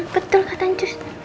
betul kata sus